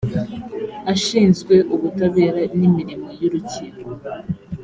ashinzwe ubutabera n’imirimo y’urukiko